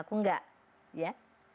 aku enggak ya